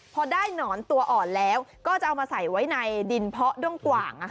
พอได้หนอนตัวอ่อนแล้วก็จะเอามาใส่ไว้ในดินเพาะด้งกว่าง